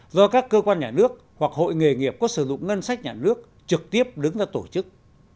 do các cơ quan nhà nước hoặc hội nghề nghiệp có sử dụng ngân sách nhà nước trực tiếp đứng ra tổ chức